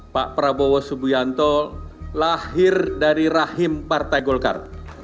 pak prabowo subianto lahir dari rahim partai golkar